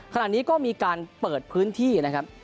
ขณะนี้ก็มีการเปิดพื้นที่นะครับ